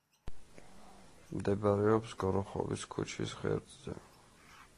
მდებარეობს გოროხოვის ქუჩის ღერძზე.